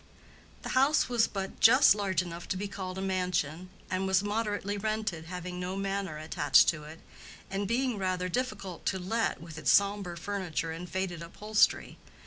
The house was but just large enough to be called a mansion, and was moderately rented, having no manor attached to it, and being rather difficult to let with its sombre furniture and faded upholstery.